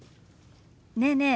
ねえねえ